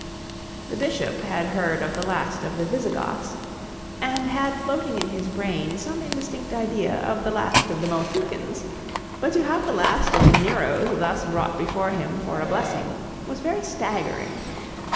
The bishop had heard of the last of the Visigoths, and had floating in his brain some indistinct idea of the last of the Mohicans, but to have the last of the Neros thus brought before him for a blessing was very staggering.